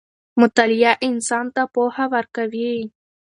مطالعه انسان ته پوهه ورکوي.